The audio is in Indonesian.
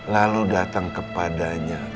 lalu datang kepadanya